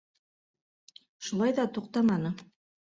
Шулай ҙа туҡтаманы.